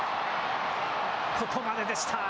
ここまででした。